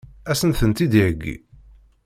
Ad sen-tent-id-iheggi?